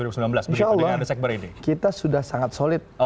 insya allah kita sudah sangat solid